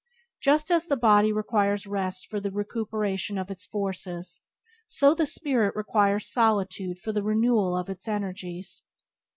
Just as the body requires rest for the recuperation of its forces, so the spirit requires solitude for the renewal of its energies.